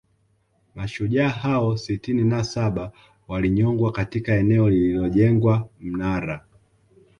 Mashujaa hao sitini na saba walinyongwa katika eneo lililojengwa Mnara